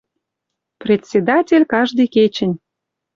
Председатель каждый кечӹнь